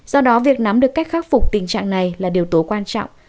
do đó việc nắm được cách khắc phục tình trạng này là điều tố quan trọng